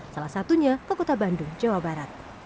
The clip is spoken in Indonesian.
salah satunya ke kota bandung jawa barat